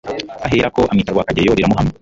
ahera ko amwita Rwakageyo riramuhama.